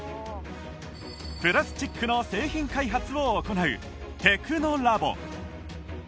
プラスチックの製品開発を行うテクノラボ